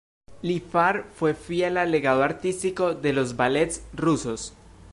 Lifar fue fiel al legado artístico de los Ballets Rusos.